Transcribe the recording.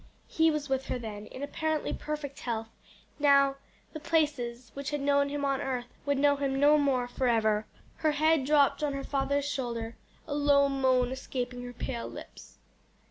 He was with her then, in apparently perfect health; now the places which had known him on earth would know him no more forever. Her head dropped on her father's shoulder, a low moan escaping her pale lips.